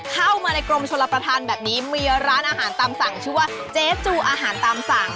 เข้ามาในกรมชลประธานแบบนี้มีร้านอาหารตามสั่งชื่อว่าเจ๊จูอาหารตามสั่ง